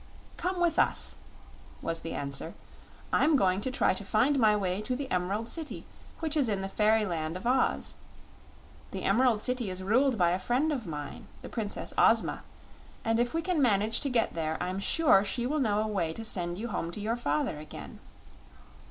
"Come with us," was the answer. "I'm going to try to find my way to the Emerald City, which is in the fairy Land of Oz. The Emerald City is ruled by a friend of mine, the Princess Ozma, and if we can manage to get there I'm sure she will know a way to send you home to your father again."